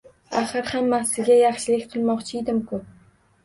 Axir hammasiga yaxshilik qilmoqchiydim-ku!